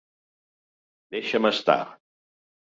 Deixa'm estar!